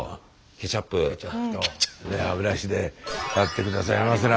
ケチャップと歯ブラシでやって下さいませな。